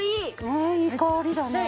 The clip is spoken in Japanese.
ねえいい香りだね。